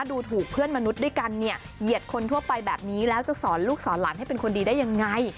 ดูถูกเพื่อนมนุษย์ด้วยกันเนี่ยเหยียดคนทั่วไปแบบนี้แล้วจะสอนลูกสอนหลานให้เป็นคนดีได้ยังไง